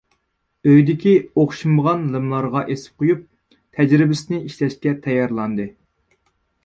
ئۆيدىكى ئوخشىمىغان لىملارغا ئېسىپ قويۇپ، تەجرىبىسىنى ئىشلەشكە تەييارلاندى.